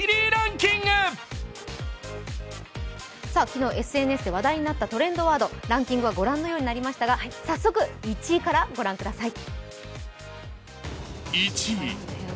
昨日、ＳＮＳで話題になったトレンドワードランキングはご覧のようになりましたが早速１位からご覧ください。